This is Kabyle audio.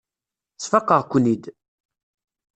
Sfaqeɣ-ken-id.